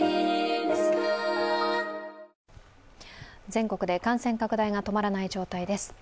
全国で感染拡大が止まらない状態です。